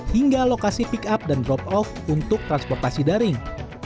hingga lokasi pick up dan drop off untuk transportasi daring